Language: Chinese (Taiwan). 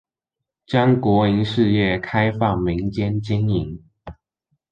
將國營事業開放民間經營